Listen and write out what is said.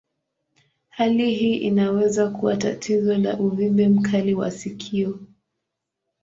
Hali hii inaweza kuwa tatizo la uvimbe mkali wa sikio.